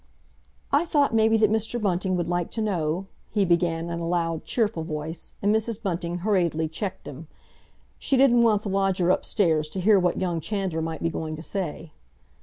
"I thought maybe that Mr. Bunting would like to know—" he began, in a loud, cheerful voice, and Mrs. Bunting hurriedly checked him. She didn't want the lodger upstairs to hear what young Chandler might be going to say.